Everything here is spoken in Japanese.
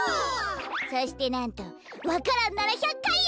そしてなんとわか蘭なら１００かいよ！